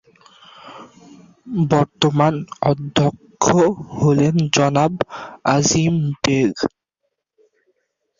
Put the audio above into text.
বর্তমান অধ্যক্ষ হলেন জনাব আজিম বেগ।